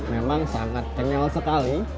memang sangat kenyal sekali